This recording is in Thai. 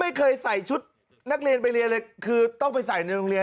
ไม่เคยใส่ชุดนักเรียนไปเรียนเลยคือต้องไปใส่ในโรงเรียน